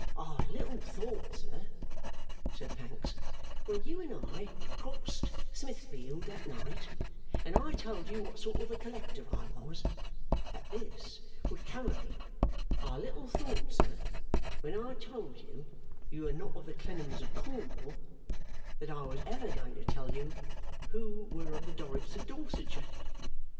'I little thought, sir,' said Pancks, 'when you and I crossed Smithfield that night, and I told you what sort of a Collector I was, that this would come of it. I little thought, sir, when I told you you were not of the Clennams of Cornwall, that I was ever going to tell you who were of the Dorrits of Dorsetshire.